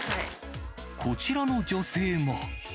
こちらの女性も。